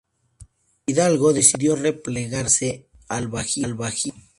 Hidalgo decidió replegarse al Bajío.